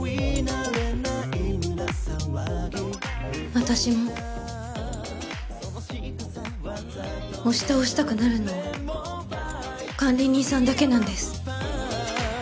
私も押し倒したくなるのは管理人さんだけなんです。